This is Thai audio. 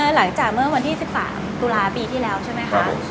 หลังจากเมื่อวันที่๑๓ตุลาปีที่แล้วใช่ไหมคะ